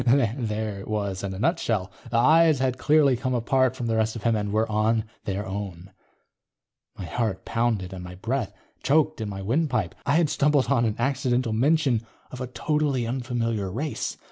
_ There it was in a nutshell. The eyes had clearly come apart from the rest of him and were on their own. My heart pounded and my breath choked in my windpipe. I had stumbled on an accidental mention of a totally unfamiliar race.